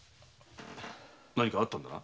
何かあったんだな？